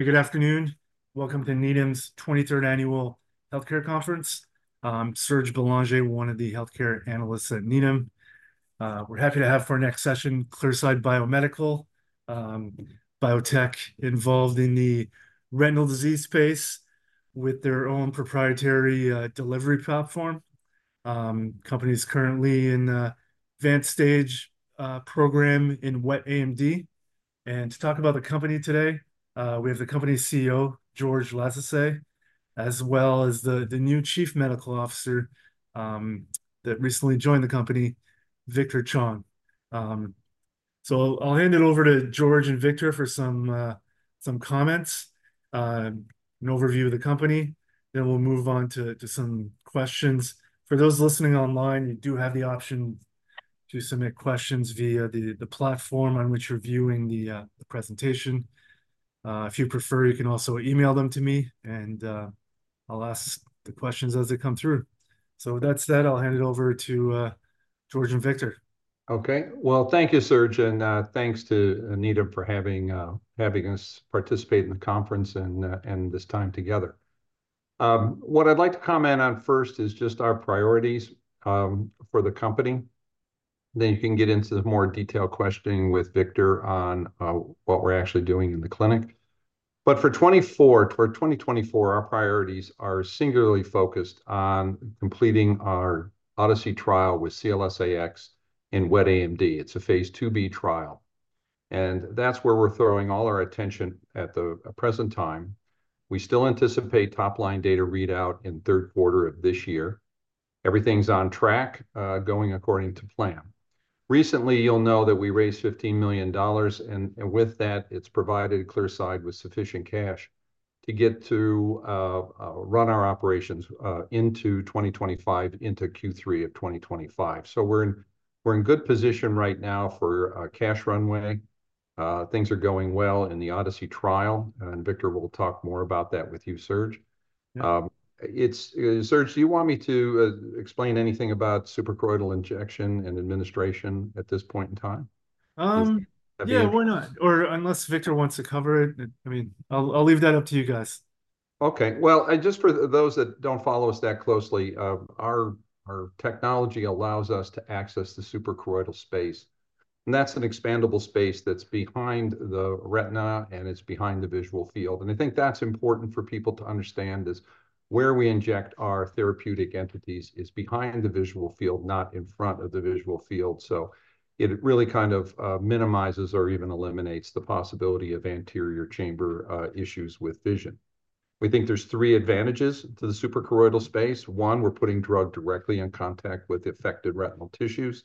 Good afternoon. Welcome to Needham's 23rd Annual Healthcare Conference. I'm Serge Bélanger, one of the healthcare analysts at Needham. We're happy to have for our next session, Clearside Biomedical, biotech involved in the retinal disease space with their own proprietary delivery platform. Company's currently in an advanced stage program in wet AMD. And to talk about the company today, we have the company's CEO, George Lasezkay, as well as the new chief medical officer that recently joined the company, Victor Chong. So, I'll hand it over to George and Victor for some comments, an overview of the company, then we'll move on to some questions. For those listening online, you do have the option to submit questions via the platform on which you're viewing the presentation. If you prefer, you can also email them to me, and I'll ask the questions as they come through. So with that said, I'll hand it over to George and Victor. Okay. Well, thank you, Serge, and thanks to Needham for having us participate in the conference and this time together. What I'd like to comment on first is just our priorities for the company. Then you can get into the more detailed questioning with Victor on what we're actually doing in the clinic. But for 2024, our priorities are singularly focused on completing our ODYSSEY trial with CLS-AX in wet AMD. It's a Phase IIb trial, and that's where we're throwing all our attention at the present time. We still anticipate top-line data readout in third quarter of this year. Everything's on track, going according to plan. Recently, you'll know that we raised $15 million, and with that, it's provided Clearside with sufficient cash to get to run our operations into 2025, into Q3 of 2025. So we're in good position right now for a cash runway. Things are going well in the ODYSSEY trial, and Victor will talk more about that with you, Serge. Yeah. It's Serge, do you want me to explain anything about suprachoroidal injection and administration at this point in time? Yeah, why not? Or- Or unless Victor wants to cover it, I mean, I'll leave that up to you guys. Okay. Well, and just for those that don't follow us that closely, our technology allows us to access the suprachoroidal space, and that's an expandable space that's behind the retina, and it's behind the visual field. And I think that's important for people to understand is where we inject our therapeutic entities is behind the visual field, not in front of the visual field. So it really kind of minimizes or even eliminates the possibility of anterior chamber issues with vision. We think there's three advantages to the suprachoroidal space. One, we're putting drug directly in contact with affected retinal tissues.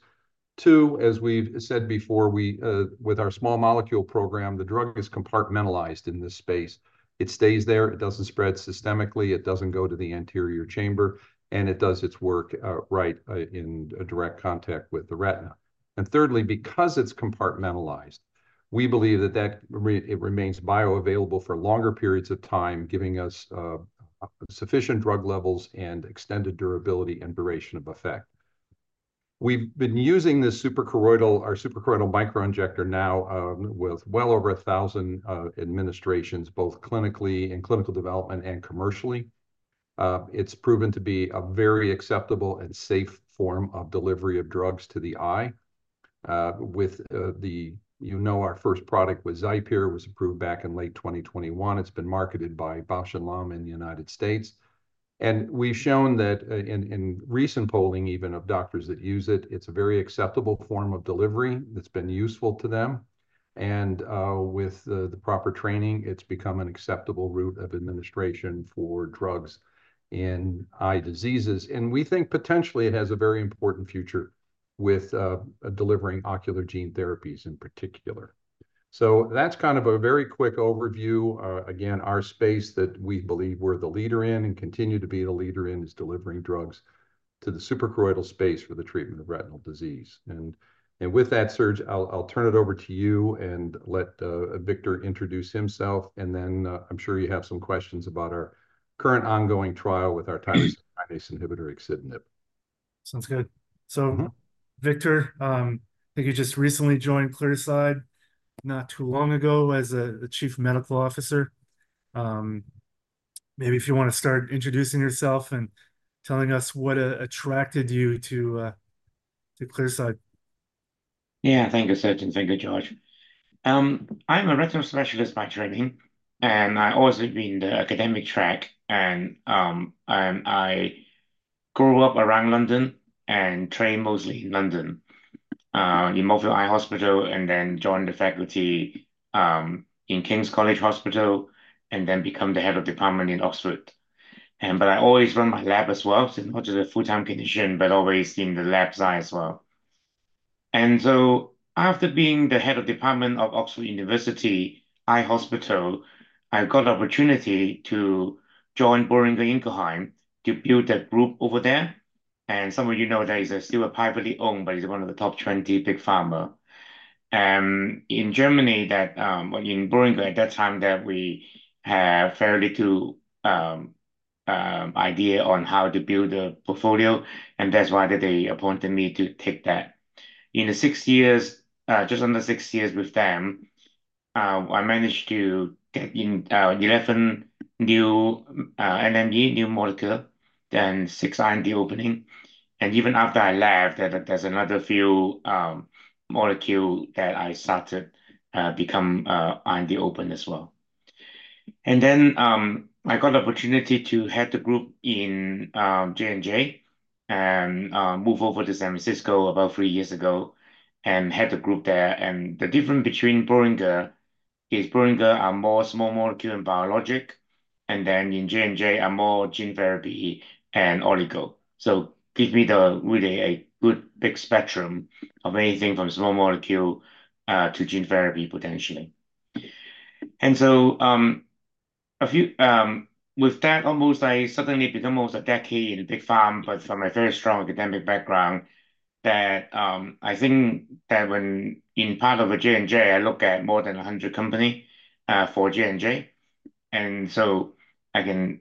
Two, as we've said before, we with our small molecule program, the drug is compartmentalized in this space. It stays there, it doesn't spread systemically, it doesn't go to the anterior chamber, and it does its work, right, in direct contact with the retina. And thirdly, because it's compartmentalized, we believe that it remains bioavailable for longer periods of time, giving us sufficient drug levels and extended durability and duration of effect. We've been using this suprachoroidal, our suprachoroidal microinjector now, with well over 1,000 administrations, both clinically, in clinical development, and commercially. It's proven to be a very acceptable and safe form of delivery of drugs to the eye. With, you know, our first product was XIPERE, was approved back in late 2021. It's been marketed by Bausch + Lomb in the United States. And we've shown that in recent polling, even of doctors that use it, it's a very acceptable form of delivery that's been useful to them. And with the proper training, it's become an acceptable route of administration for drugs in eye diseases. And we think potentially it has a very important future with delivering ocular gene therapies in particular. So that's kind of a very quick overview. Again, our space that we believe we're the leader in and continue to be the leader in is delivering drugs to the suprachoroidal space for the treatment of retinal disease. And with that, Serge, I'll turn it over to you and let Victor introduce himself, and then I'm sure you have some questions about our current ongoing trial with our tyrosine kinase inhibitor, axitinib. Sounds good. So, Victor, I think you just recently joined Clearside not too long ago as a chief medical officer. Maybe if you want to start introducing yourself and telling us what attracted you to Clearside. Yeah. Thank you, Serge, and thank you, George. I'm a retinal specialist by training, and I've always been in the academic track. And I grew up around London and trained mostly in London in Moorfields Eye Hospital, and then joined the faculty in King's College Hospital, and then become the head of department in Oxford. And but I always run my lab as well, so not just a full-time clinician, but always in the lab side as well. And so after being the head of department of Oxford University Eye Hospital, I got an opportunity to join Boehringer Ingelheim to build a group over there. And some of you know that it's still a privately owned, but it's one of the top 20 big pharma in Germany, that in Boehringer, at that time that we have fairly to idea on how to build a portfolio, and that's why they appointed me to take that. In the six years, just under six years with them, I managed to get in 11 new NME, new molecule, then six IND openings. And even after I left, there's another few molecules that I started become IND open as well. And then I got the opportunity to head the group in J&J, and move over to San Francisco about three years ago, and head the group there. And the difference between Boehringer is Boehringer are more small molecule and biologic, and then in J&J are more gene therapy and oligo. So give me really a good big spectrum of anything from small molecule to gene therapy, potentially. And so a few... With that, almost I suddenly become almost a decade in big pharma, but from a very strong academic background that, I think that when in part of a J&J, I look at more than 100 company for J&J. And so I can,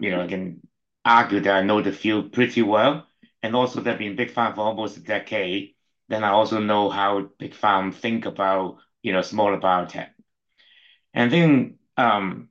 you know, I can argue that I know the field pretty well, and also that being big pharma for almost a decade, then I also know how big pharma think about, you know, smaller biotech. And then,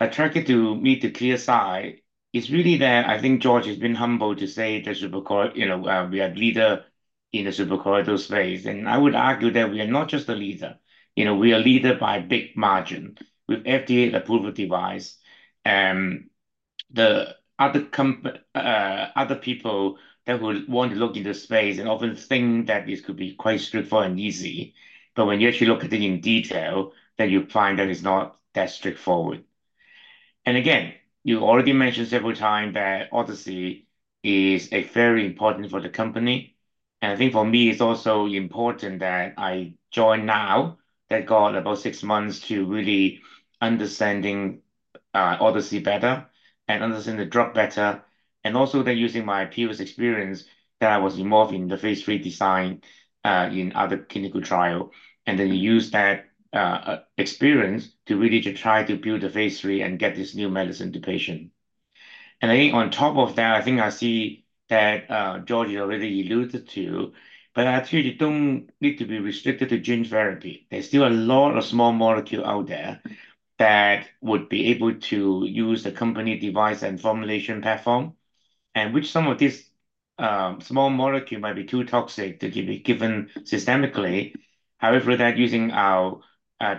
attracted to me, to Clearside is really that I think George has been humble to say the suprachoroidal, you know, we are leader in the suprachoroidal space, and I would argue that we are not just a leader. You know, we are leader by a big margin. With FDA approval device, the other people that would want to look into space and often think that this could be quite straightforward and easy, but when you actually look at it in detail, then you find that it's not that straightforward. And again, you already mentioned several time that ODYSSEY is a very important for the company, and I think for me, it's also important that I join now, that got about six months to really understanding ODYSSEY better and understanding the drug better, and also then using my previous experience that I was involved in the phase III design in other clinical trial, and then use that experience to really to try to build a phase III and get this new medicine to patient. I think on top of that, I think I see that George has already alluded to, but actually don't need to be restricted to gene therapy. There's still a lot of small molecule out there that would be able to use the company device and formulation platform, and which some of these small molecule might be too toxic to be given systemically. However, that using our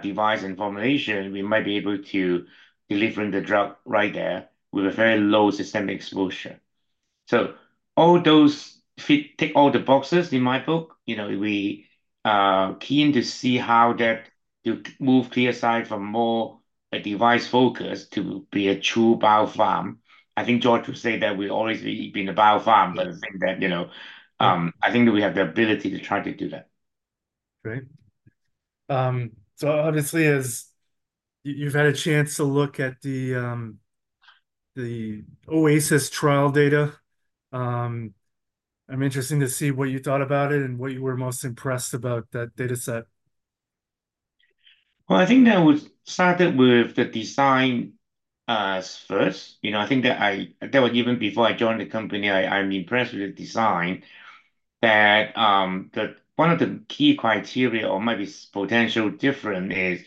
device and formulation, we might be able to delivering the drug right there with a very low systemic exposure. So all those fit, tick all the boxes in my book. You know, we are keen to see how that to move SCS from more a device focus to be a true biopharm. I think George would say that we've always been a biopharma, but I think that, you know, I think that we have the ability to try to do that. Great. So obviously, as you've had a chance to look at the OASIS trial data, I'm interested to see what you thought about it and what you were most impressed about that data set. Well, I think that we started with the design, first. You know, I think that that was even before I joined the company, I, I'm impressed with the design, that, that one of the key criteria or maybe potential different is,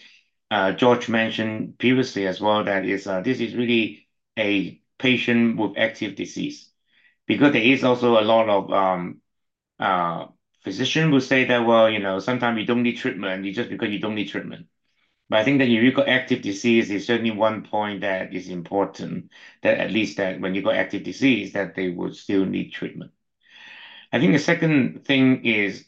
George mentioned previously as well, that is, this is really a patient with active disease. Because there is also a lot of, physician would say that, well, you know, sometimes you don't need treatment, you just because you don't need treatment. But I think that if you've got active disease, it's certainly one point that is important, that at least that when you've got active disease, that they would still need treatment. I think the second thing is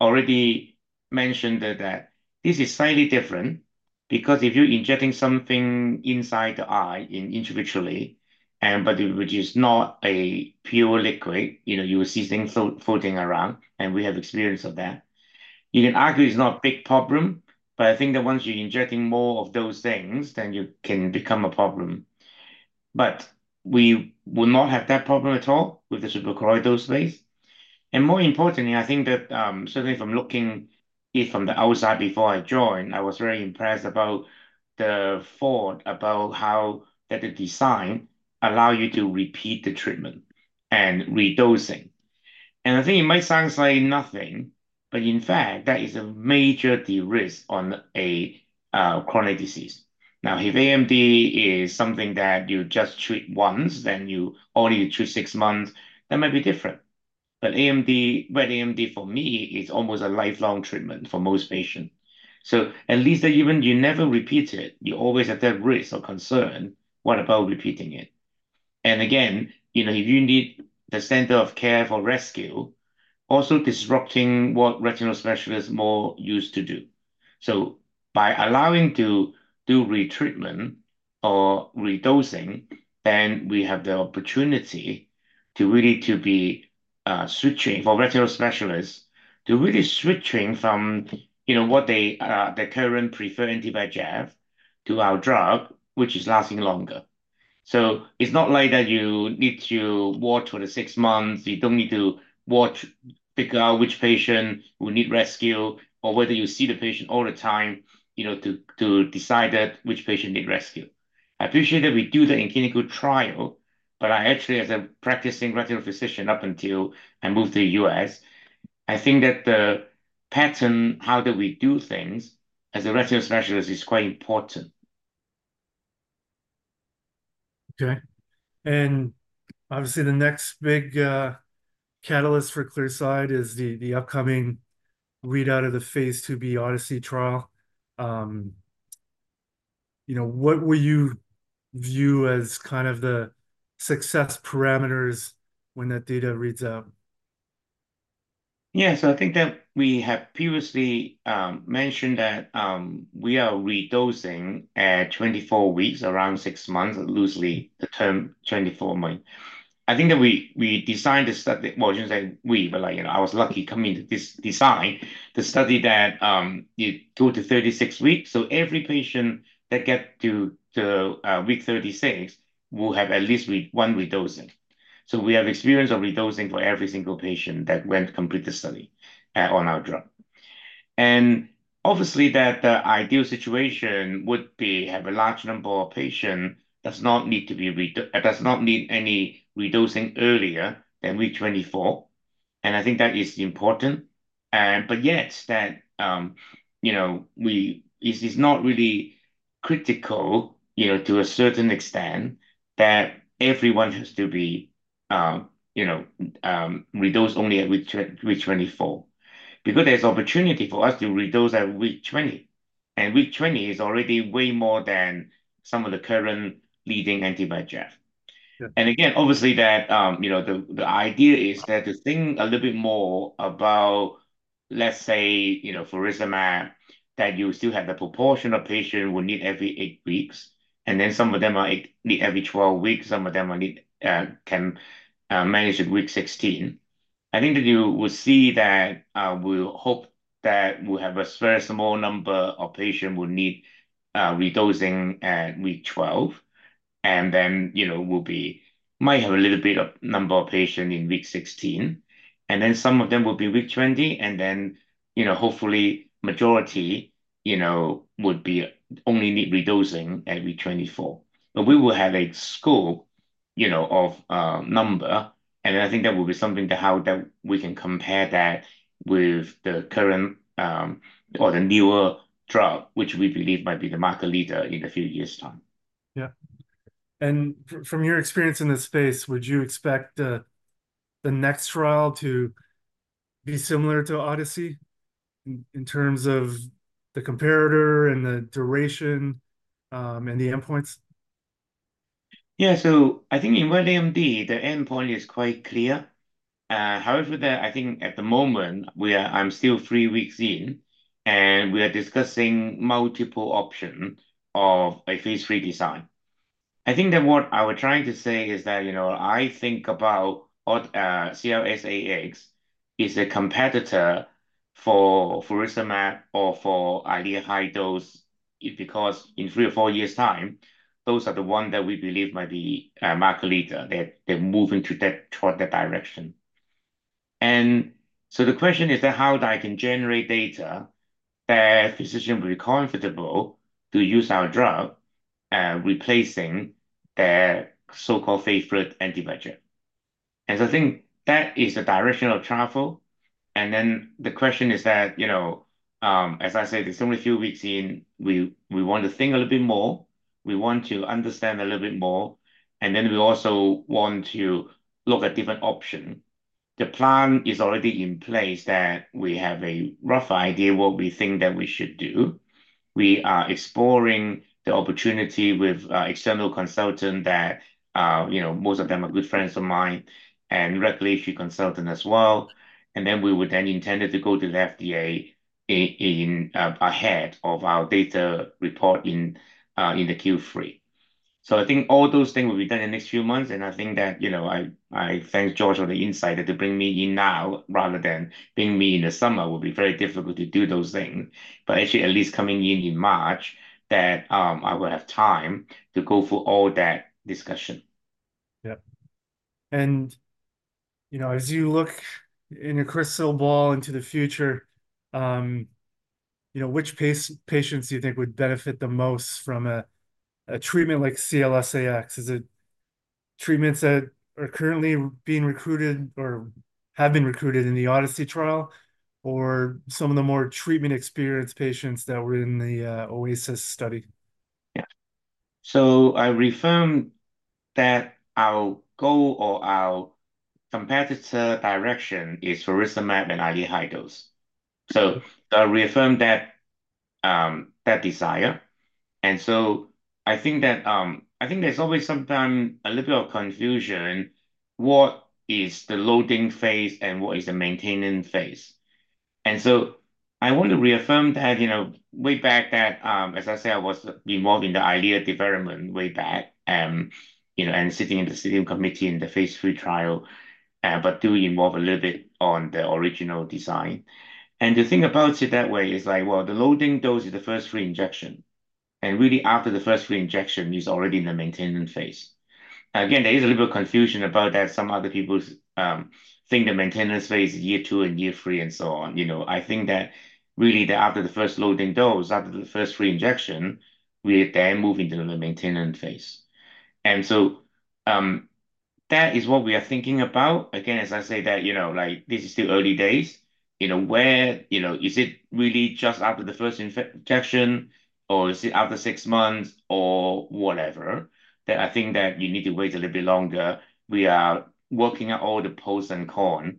already mentioned that this is slightly different because if you're injecting something inside the eye intravitreally, but it which is not a pure liquid, you know, you will see things float, floating around, and we have experience of that. You can argue it's not a big problem, but I think that once you're injecting more of those things, then you can become a problem. But we will not have that problem at all with the suprachoroidal space. And more importantly, I think that certainly from looking it from the outside before I joined, I was very impressed about the thought about how that the design allow you to repeat the treatment and redosing. And I think it might sound like nothing, but in fact, that is a major de-risk on a chronic disease. Now, if AMD is something that you just treat once, then you only treat six months, that might be different. But AMD, wet AMD, for me, is almost a lifelong treatment for most patients. So at least that even you never repeat it, you always have that risk or concern, what about repeating it? And again, you know, if you need the center of care for rescue, also disrupting what retinal specialists more used to do. So by allowing to do retreatment or redosing, then we have the opportunity to really to be switching for retinal specialists, to really switching from, you know, what they their current preferred anti-VEGF to our drug, which is lasting longer. So it's not like that you need to watch for the six months, you don't need to watch, figure out which patient will need rescue, or whether you see the patient all the time, you know, to, to decide that which patient need rescue. I appreciate that we do that in clinical trial, but I actually, as a practicing retinal physician up until I moved to the U.S., I think that the pattern, how do we do things as a retinal specialist is quite important. Okay. And obviously, the next big catalyst for Clearside is the upcoming readout of the phase IIb ODYSSEY trial. You know, what will you view as kind of the success parameters when that data reads out? Yeah, so I think that we have previously mentioned that we are redosing at 24 weeks, around six months, loosely the term 24 month. I think that we designed the study- well, shouldn't say we, but, like, you know, I was lucky coming to this design, the study that you go to 36 weeks. So every patient that get to week 36 will have at least one redosing. So we have experience of redosing for every single patient that went complete the study on our drug. And obviously, that the ideal situation would be, have a large number of patient does not need to be redosing does not need any redosing earlier than week 24, and I think that is important. But yet that, you know, this is not really critical, you know, to a certain extent, that everyone has to be, you know, redosed only at week 24. Because there's opportunity for us to redose at week 20, and week 20 is already way more than some of the current leading anti-VEGF. Yeah. And again, obviously, that you know the idea is that to think a little bit more about, let's say, you know, faricimab, that you still have the proportion of patient will need every 8 weeks, and then some of them need every 12 weeks, some of them can manage at week 16. I think that you will see that we hope that we'll have a very small number of patient will need redosing at week 12, and then, you know, we might have a little bit of number of patient in week 16, and then some of them will be week 20, and then, you know, hopefully majority you know would be only need redosing at week 24. But we will have a score, you know, of number, and I think that will be something to how that we can compare that with the current, or the newer drug, which we believe might be the market leader in a few years' time. Yeah. From your experience in this space, would you expect the next trial to be similar to ODYSSEY in terms of the comparator and the duration, and the endpoints? Yeah, so I think in wet AMD, the endpoint is quite clear. However, that I think at the moment, we are. I'm still three weeks in, and we are discussing multiple option of a phase III design. I think that what I was trying to say is that, you know, I think about, CLS-AX is a competitor for faricimab or for Eylea high dose, because in three or four years' time, those are the one that we believe might be, market leader. They're, they're moving to that, toward that direction. And so the question is that, how I can generate data that physician will be comfortable to use our drug, replacing their so-called favorite anti-VEGF? And so I think that is the direction of travel, and then the question is that, you know, as I said, it's only a few weeks in, we want to think a little bit more, we want to understand a little bit more, and then we also want to look at different option. The plan is already in place, that we have a rough idea what we think that we should do. We are exploring the opportunity with external consultant that, you know, most of them are good friends of mine, and regulatory consultant as well, and then we would then intended to go to the FDA ahead of our data report in the Q3. So I think all those things will be done in the next few months, and I think that, you know, I thank George for the insight that to bring me in now, rather than bring me in the summer, will be very difficult to do those things. But actually, at least coming in in March, that I will have time to go through all that discussion. Yeah. And, you know, as you look in a crystal ball into the future, you know, which patients do you think would benefit the most from a treatment like CLS-AX? Is it treatments that are currently being recruited or have been recruited in the ODYSSEY trial, or some of the more treatment-experienced patients that were in the OASIS study? Yeah. I reaffirm that our goal or our competitor direction is faricimab and Eylea high dose. So I reaffirm that desire, and so I think that I think there's always sometimes a little bit of confusion, what is the loading phase and what is the maintaining phase? And so I want to reaffirm that, you know, way back that, as I said, I was involved in the Eylea development way back, you know, and sitting in the steering committee in the Phase III trial, but do involve a little bit on the original design. And the thing about it that way is like, well, the loading dose is the first three injection, and really, after the first three injection, it's already in the maintenance phase. Again, there is a little bit of confusion about that. Some other people think the maintenance phase is year two and year three, and so on. You know, I think that really, after the first loading dose, after the first 3 injections, we're then moving to the maintenance phase. And so, that is what we are thinking about. Again, as I say that, you know, like, this is still early days. You know, where, you know, is it really just after the first injection, or is it after 6 months, or whatever? That I think that you need to wait a little bit longer. We are working out all the pros and con,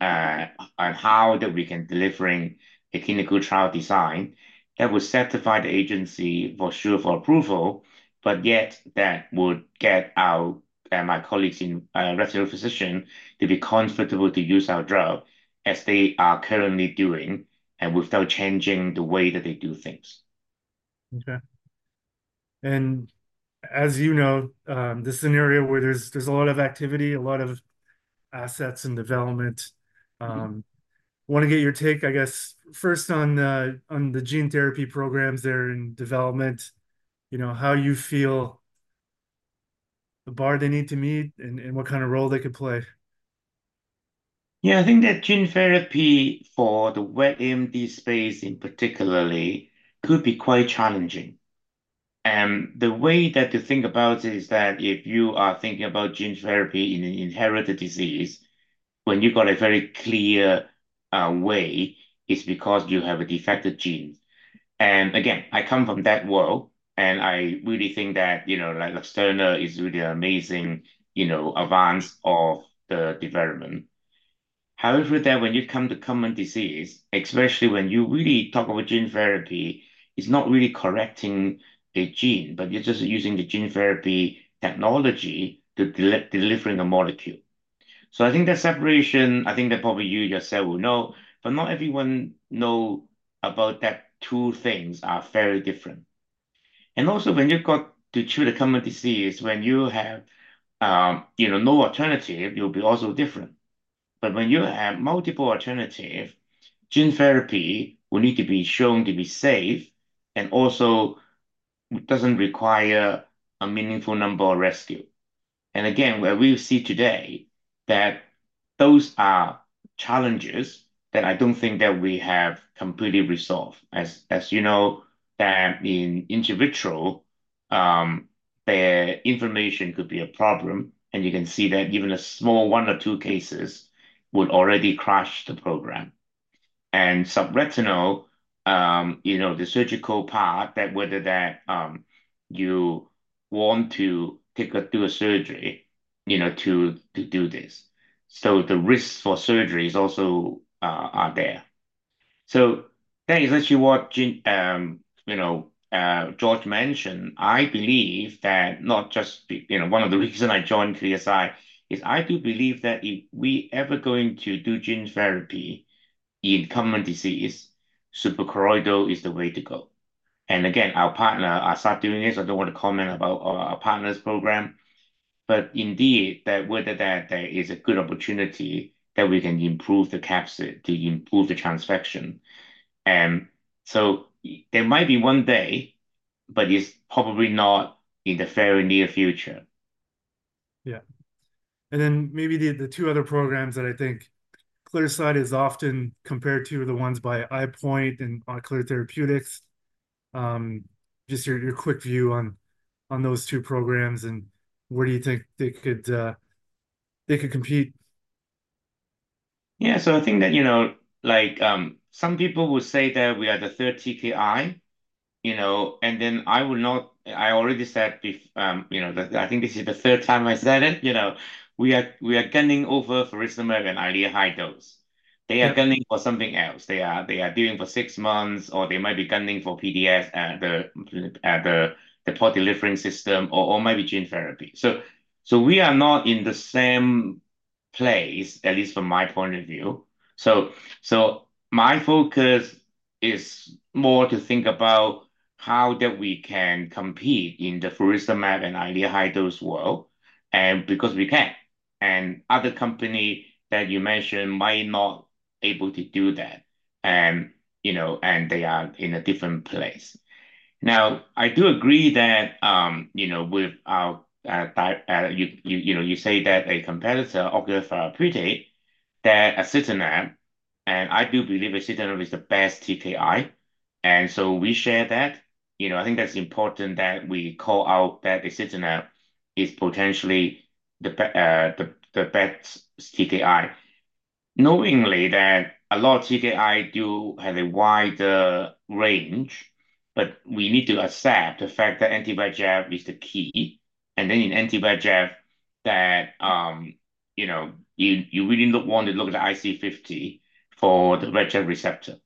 on how that we can delivering a clinical trial design that will satisfy the agency for sure for approval, but yet that would get our, my colleagues in, retinal physician to be comfortable to use our drug as they are currently doing and without changing the way that they do things. Okay. As you know, this is an area where there's a lot of activity, a lot of assets and development. Wanna get your take, I guess, first on the gene therapy programs that are in development. You know, how you feel the bar they need to meet, and what kind of role they could play? Yeah, I think that gene therapy for the wet AMD space in particularly could be quite challenging. And the way that to think about it is that if you are thinking about gene therapy in an inherited disease, when you've got a very clear way, it's because you have a defective gene. And again, I come from that world, and I really think that, you know, like, Luxturna is really an amazing, you know, advance of the development. However, that when you come to common disease, especially when you really talk about gene therapy, it's not really correcting a gene, but you're just using the gene therapy technology to delivering a molecule. So I think that separation, I think that probably you yourself will know, but not everyone know about that two things are very different. And also, when you've got to cure the common disease, when you have, you know, no alternative, it will be also different. But when you have multiple alternative, gene therapy will need to be shown to be safe and also doesn't require a meaningful number of rescue. And again, where we see today that those are challenges that I don't think that we have completely resolved. As you know, in intravitreal, the inflammation could be a problem, and you can see that even a small one or two cases would already crash the program. And subretinal, you know, the surgical part, that whether that, you want to do a surgery, you know, to do this. So the risks for surgery is also, are there. So that is actually what gene, you know, George mentioned. I believe that not just the... You know, one of the reason I joined Clearside is I do believe that if we ever going to do gene therapy in common disease, suprachoroidal is the way to go. And again, our partner are start doing this, I don't want to comment about our, our partner's program, but indeed, that whether that there is a good opportunity that we can improve the capsid to improve the transfection. And so there might be one day, but it's probably not in the very near future. Yeah. And then maybe the two other programs that I think Clearside is often compared to are the ones by EyePoint and by Ocular Therapeutix. Just your quick view on those two programs, and where do you think they could compete? Yeah, so I think that, you know, like, some people would say that we are the third TKI, you know, and then I would, I already said, you know, that I think this is the third time I said it, you know, we are, we are gunning over faricimab and Eylea high dose. They are gunning for something else. They are, they are doing for six months, or they might be gunning for PDS, the Port Delivery System, or maybe gene therapy. So we are not in the same place, at least from my point of view. So my focus is more to think about how that we can compete in the faricimab and Eylea high dose world, and because we can. And other company that you mentioned might not able to do that, you know, and they are in a different place. Now, I do agree that, you know, you say that a competitor, Ocular Therapeutix, that axitinib, and I do believe axitinib is the best TKI, and so we share that. You know, I think that's important that we call out that axitinib is potentially the best TKI. Knowing that a lot of TKI do have a wider range, but we need to accept the fact that anti-VEGF is the key. And then in anti-VEGF, that, you know, you really want to look at the IC50 for the VEGF receptor.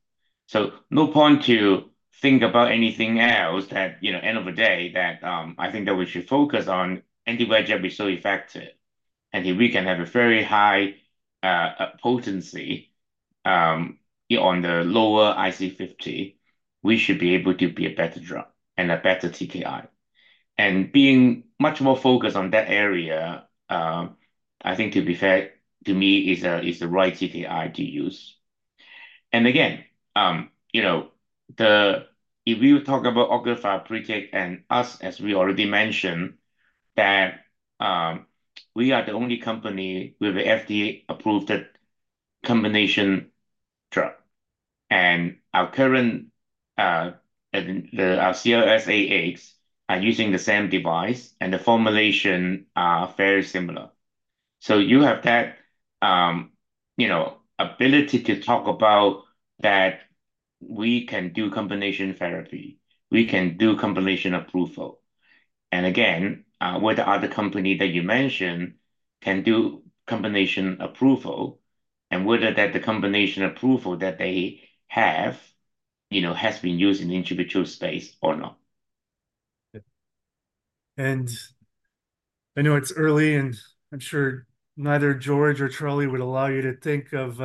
So no point to think about anything else that, you know, end of the day, that, I think that we should focus on anti-VEGF is so effective, and if we can have a very high potency on the lower IC50, we should be able to be a better drug and a better TKI. And being much more focused on that area, I think to be fair to me, is the right TKI to use. And again, you know, if you talk about Ocular Therapeutix and us, as we already mentioned, that we are the only company with a FDA-approved combination drug. And our current, and the, our CLS-AX are using the same device, and the formulation are very similar. So you have that, you know, ability to talk about that we can do combination therapy, we can do combination approval. And again, whether other company that you mention can do combination approval, and whether that the combination approval that they have, you know, has been used in the individual space or not. And I know it's early, and I'm sure neither George or Charlie would allow you to think of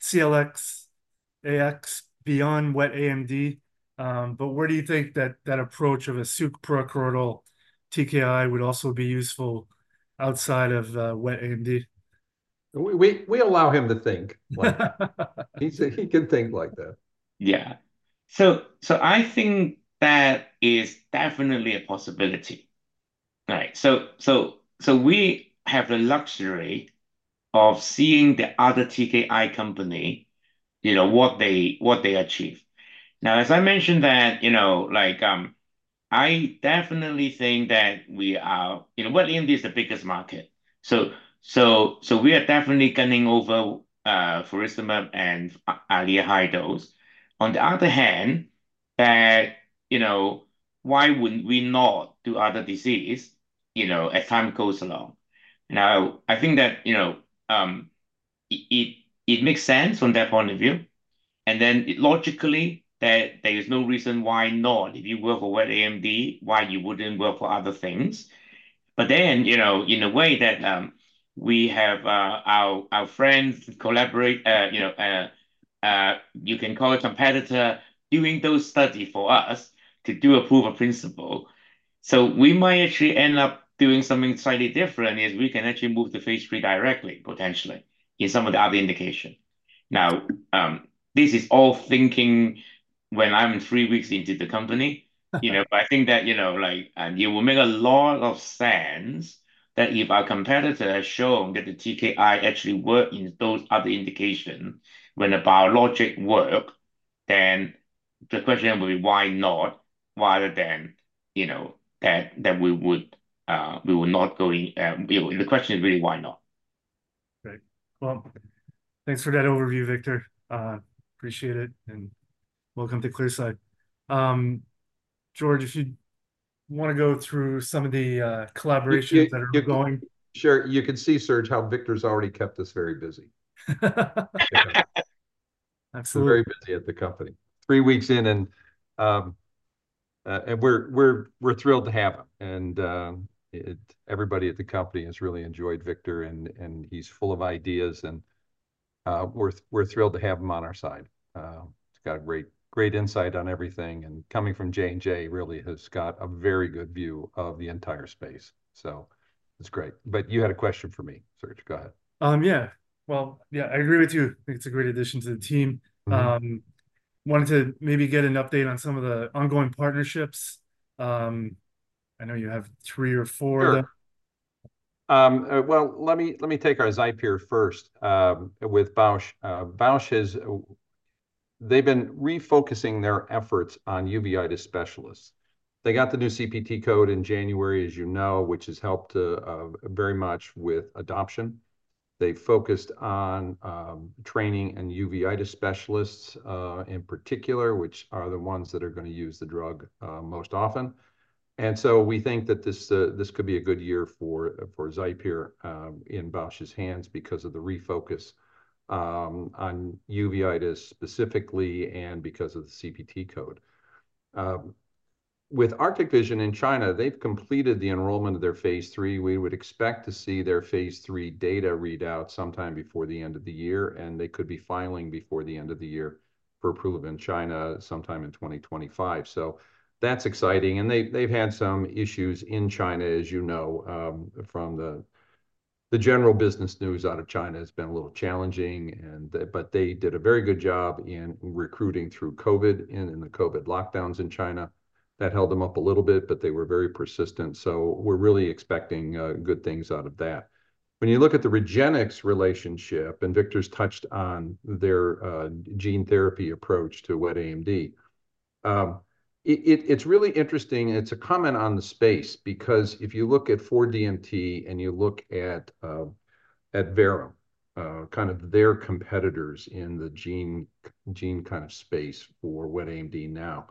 CLS-AX beyond wet AMD, but where do you think that approach of a suprachoroidal TKI would also be useful outside of wet AMD? We allow him to think like that. He can think like that. Yeah. So, so I think that is definitely a possibility, right? So, so, so we have the luxury of seeing the other TKI company, you know, what they, what they achieve. Now, as I mentioned that, you know, like, I definitely think that we are... You know, wet AMD is the biggest market. So, so, so we are definitely gunning over, Lucentis and Eylea high-dose. On the other hand, that, you know, why would we not do other disease, you know, as time goes along? Now, I think that, you know, it, it, it makes sense from that point of view, and then logically, that there is no reason why not. If it work for wet AMD, why it wouldn't work for other things? But then, you know, in a way that we have our friends collaborate, you know, you can call it competitor, doing those study for us to do a proof of principle. So we might actually end up doing something slightly different, is we can actually move to phase 3 directly, potentially, in some of the other indication. Now, this is all thinking when I'm 3 weeks into the company. You know, but I think that, you know, like, it will make a lot of sense that if our competitor has shown that the TKI actually work in those other indication, when the biologic work, then the question will be why not, rather than, you know, that we would, we will not going. You know, the question is really why not? Great. Well, thanks for that overview, Victor. Appreciate it, and welcome to Clearside. George, if you wanna go through some of the collaborations that are ongoing. Sure. You can see, Serge, how Victor's already kept us very busy. Absolutely. He's very busy at the company. Three weeks in, and we're thrilled to have him, and everybody at the company has really enjoyed Victor, and he's full of ideas, and we're thrilled to have him on our side. He's got a great, great insight on everything, and coming from J&J really has got a very good view of the entire space, so it's great. But you had a question for me, Serge. Go ahead. Yeah. Well, yeah, I agree with you. I think it's a great addition to the team. Wanted to maybe get an update on some of the ongoing partnerships. I know you have three or four. Sure. Well, let me take our XIPERE first, with Bausch. Bausch is... They've been refocusing their efforts on uveitis specialists. They got the new CPT code in January, as you know, which has helped very much with adoption. They focused on training and uveitis specialists in particular, which are the ones that are gonna use the drug most often. And so we think that this could be a good year for XIPERE in Bausch's hands because of the refocus on uveitis specifically and because of the CPT code. With Arctic Vision in China, they've completed the enrollment of their phase 3. We would expect to see their phase 3 data readout sometime before the end of the year, and they could be filing before the end of the year for approval in China sometime in 2025. So that's exciting, and they've had some issues in China, as you know, from the general business news out of China has been a little challenging, and but they did a very good job in recruiting through Covid and in the Covid lockdowns in China. That held them up a little bit, but they were very persistent, so we're really expecting good things out of that. When you look at the REGENXBIO relationship, and Victor's touched on their gene therapy approach to wet AMD, it's really interesting, and it's a comment on the space because if you look at 4DMT and you look at Adverum, kind of their competitors in the gene kind of space for wet AMD now,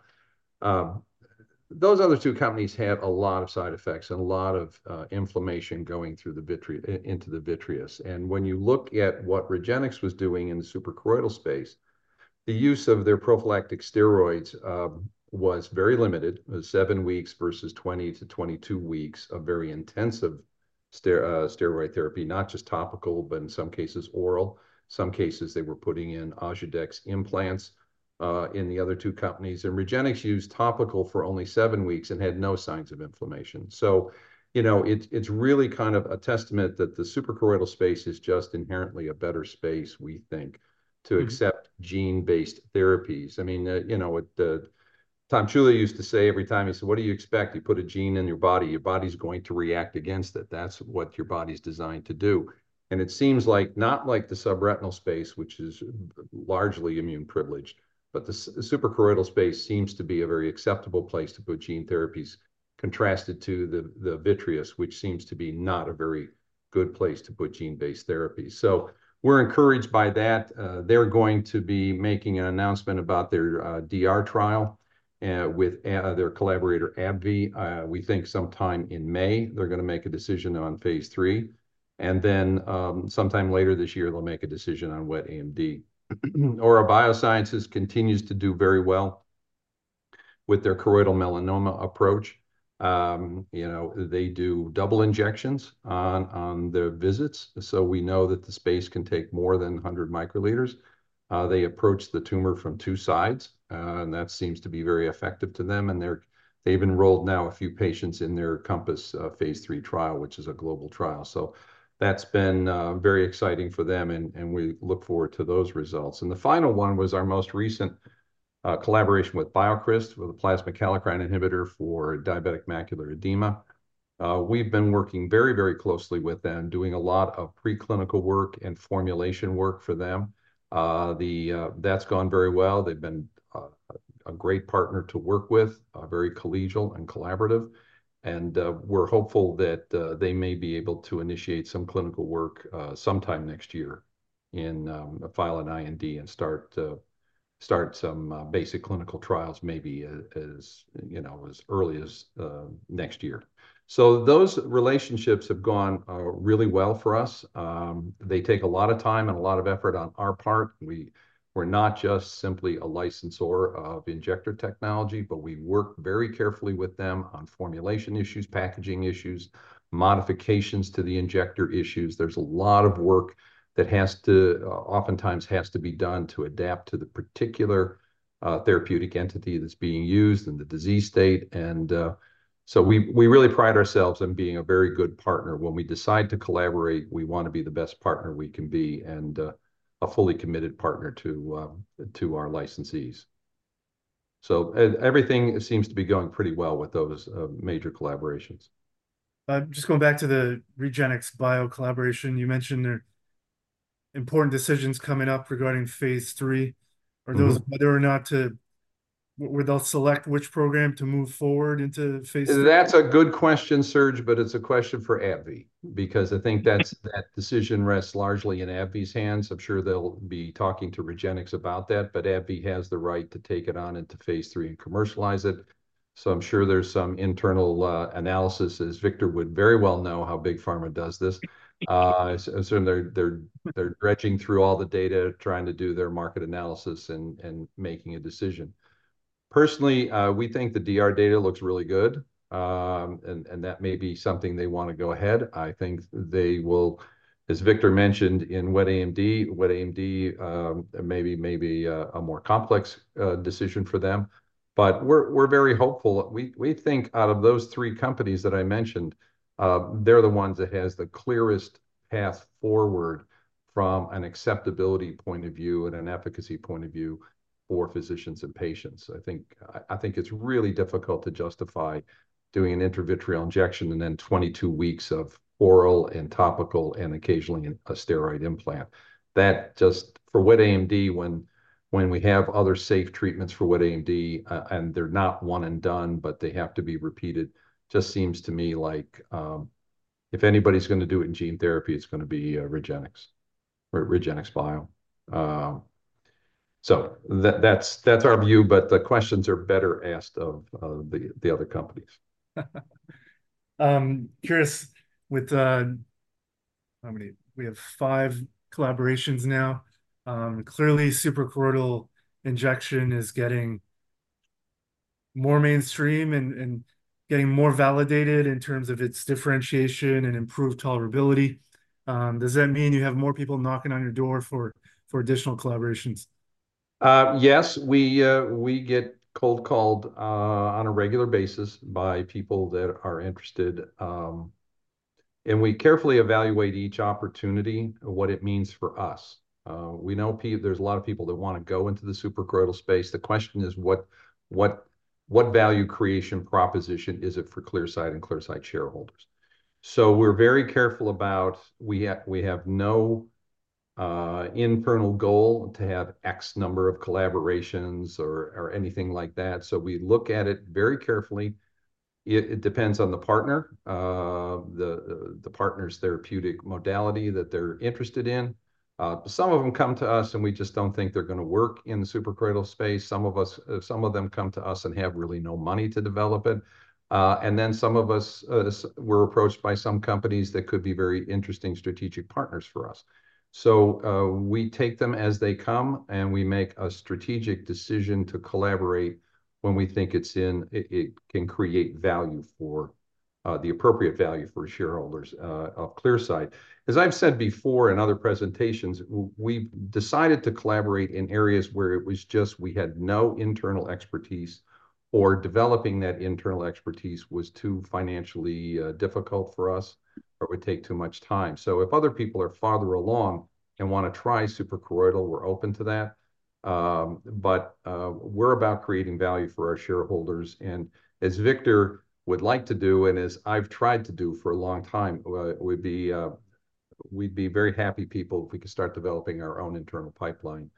those other two companies had a lot of side effects and a lot of inflammation going through into the vitreous. And when you look at what REGENXBIO was doing in the suprachoroidal space, the use of their prophylactic steroids was very limited, seven weeks versus 20-22 weeks of very intensive steroid therapy, not just topical, but in some cases oral. Some cases they were putting in Ozurdex implants in the other two companies. REGENXBIO used topical for only 7 weeks and had no signs of inflammation. You know, it's, it's really kind of a testament that the suprachoroidal space is just inherently a better space, we think-... to accept gene-based therapies. I mean, you know, what Tom Ciulla used to say every time, he said, "What do you expect? You put a gene in your body, your body's going to react against it. That's what your body's designed to do." And it seems like, not like the subretinal space, which is largely immune-privileged, but the suprachoroidal space seems to be a very acceptable place to put gene therapies, contrasted to the, the vitreous, which seems to be not a very good place to put gene-based therapies. So we're encouraged by that. They're going to be making an announcement about their DR trial with their collaborator, AbbVie. We think sometime in May they're gonna make a decision on phase III, and then sometime later this year they'll make a decision on wet AMD. Aura Biosciences continues to do very well with their choroidal melanoma approach. You know, they do double injections on their visits, so we know that the space can take more than 100 microliters. They approach the tumor from two sides, and that seems to be very effective to them, and they've enrolled now a few patients in their COMPASS Phase III trial, which is a global trial. So that's been very exciting for them, and we look forward to those results. And the final one was our most recent collaboration with BioCryst, with a plasma kallikrein inhibitor for diabetic macular edema. We've been working very, very closely with them, doing a lot of preclinical work and formulation work for them. That's gone very well. They've been a great partner to work with, very collegial and collaborative, and we're hopeful that they may be able to initiate some clinical work sometime next year and file an IND and start some basic clinical trials maybe as you know as early as next year. So those relationships have gone really well for us. They take a lot of time and a lot of effort on our part. We're not just simply a licensor of injector technology, but we work very carefully with them on formulation issues, packaging issues, modifications to the injector issues. There's a lot of work that has to, oftentimes has to be done to adapt to the particular, therapeutic entity that's being used and the disease state, and, so we, we really pride ourselves on being a very good partner. When we decide to collaborate, we want to be the best partner we can be and, a fully committed partner to, to our licensees. So everything seems to be going pretty well with those, major collaborations. Just going back to the REGENXBIO collaboration, you mentioned there are important decisions coming up regarding Phase III. Are those whether or not they'll select which program to move forward into phase III? That's a good question, Serge, but it's a question for AbbVie, because I think that's- Okay... that decision rests largely in AbbVie's hands. I'm sure they'll be talking to Regenx about that, but AbbVie has the right to take it on into Phase III and commercialize it, so I'm sure there's some internal analysis, as Victor would very well know how big pharma does this. I assume they're dredging through all the data, trying to do their market analysis and making a decision. Personally, we think the DR data looks really good, and that may be something they want to go ahead. I think they will, as Victor mentioned, in wet AMD may be a more complex decision for them, but we're very hopeful. We think out of those three companies that I mentioned, they're the ones that has the clearest path forward from an acceptability point of view and an efficacy point of view for physicians and patients. I think, I think it's really difficult to justify doing an intravitreal injection and then 22 weeks of oral and topical and occasionally a steroid implant. That just for wet AMD, when we have other safe treatments for wet AMD, and they're not one and done, but they have to be repeated, just seems to me like if anybody's gonna do it in gene therapy, it's gonna be REGENXBIO. So that's our view, but the questions are better asked of the other companies. Curious, with how many? We have five collaborations now. Clearly, suprachoroidal injection is getting more mainstream and getting more validated in terms of its differentiation and improved tolerability. Does that mean you have more people knocking on your door for additional collaborations? Yes. We get cold-called on a regular basis by people that are interested, and we carefully evaluate each opportunity and what it means for us. We know there's a lot of people that want to go into the suprachoroidal space. The question is: what value creation proposition is it for Clearside and Clearside shareholders? So we're very careful about. We have no internal goal to have X number of collaborations or anything like that, so we look at it very carefully. It depends on the partner, the partner's therapeutic modality that they're interested in. Some of them come to us, and we just don't think they're gonna work in the suprachoroidal space. Some of them come to us and have really no money to develop it. And then some of us, we're approached by some companies that could be very interesting strategic partners for us. So, we take them as they come, and we make a strategic decision to collaborate when we think it's in it, it can create value for the appropriate value for shareholders of Clearside. As I've said before in other presentations, we've decided to collaborate in areas where it was just we had no internal expertise, or developing that internal expertise was too financially difficult for us, or it would take too much time. So if other people are farther along and want to try suprachoroidal, we're open to that. But we're about creating value for our shareholders, and as Victor would like to do, and as I've tried to do for a long time, we'd be very happy people if we could start developing our own internal pipeline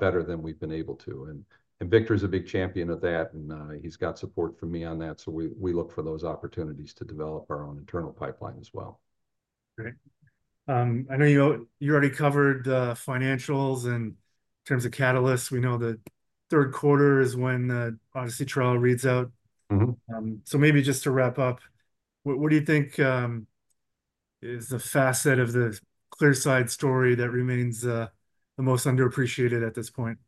better than we've been able to. Victor's a big champion of that, and he's got support from me on that, so we look for those opportunities to develop our own internal pipeline as well. Great. I know you already covered financials, and in terms of catalysts, we know the third quarter is when the ODYSSEY trial reads out. So maybe just to wrap up, what do you think is the facet of the Clearside story that remains the most underappreciated at this point?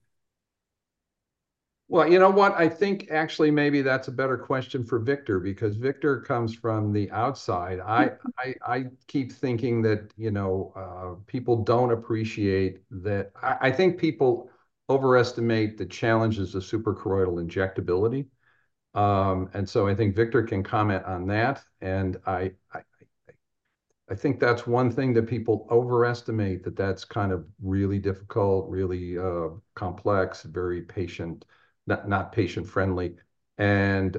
Well, you know what? I think actually maybe that's a better question for Victor, because Victor comes from the outside. I keep thinking that, you know, people don't appreciate that. I think people overestimate the challenges of suprachoroidal injectability. And so I think Victor can comment on that, and I think that's one thing that people overestimate, that that's kind of really difficult, really complex, very patient, not patient-friendly. And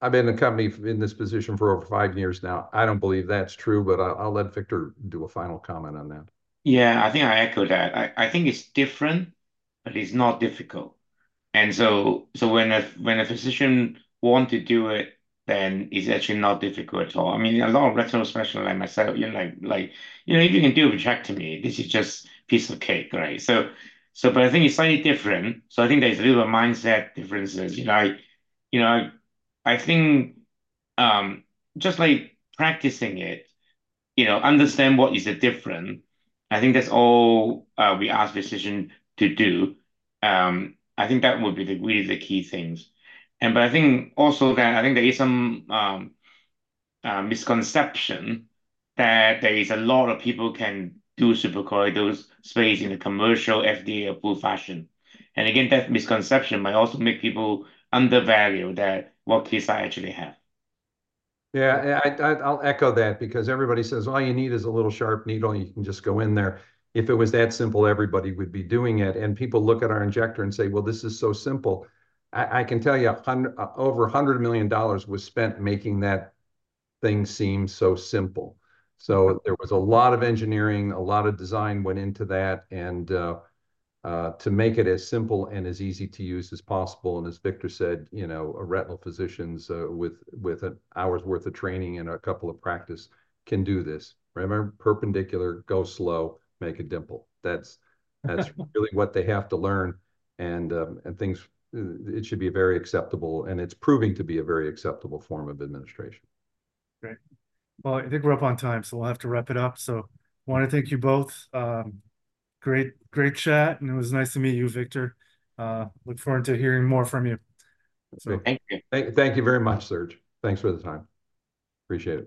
I've been in the company, in this position for over five years now. I don't believe that's true, but I'll let Victor do a final comment on that. Yeah, I think I echo that. I think it's different, but it's not difficult. So when a physician want to do it, then it's actually not difficult at all. I mean, a lot of retinal specialists like myself, you know, like, you know, if you can do a vitrectomy, this is just piece of cake, right? But I think it's slightly different, so I think there's a little mindset differences. Like, you know, I think just like practicing it, you know, understand what is it different, I think that's all, we ask physician to do. I think that would be really the key things. But I think also that I think there is some misconception that there is a lot of people can do suprachoroidal space in a commercial FDA-approved fashion. Again, that misconception might also make people undervalue that what Clearside actually have. Yeah. I'll echo that, because everybody says, "All you need is a little sharp needle, and you can just go in there." If it was that simple, everybody would be doing it. And people look at our injector and say, "Well, this is so simple." I can tell you, over $100 million was spent making that thing seem so simple. So there was a lot of engineering, a lot of design went into that, and to make it as simple and as easy to use as possible, and as Victor said, you know, retinal physicians with an hour's worth of training and a couple of practice can do this. Remember, perpendicular, go slow, make a dimple. That's really what they have to learn, and things. It should be very acceptable, and it's proving to be a very acceptable form of administration. Great. Well, I think we're up on time, so we'll have to wrap it up. I want to thank you both. Great, great chat, and it was nice to meet you, Victor. Look forward to hearing more from you. Thank you. Thank you very much, Serge. Thanks for the time. Appreciate it.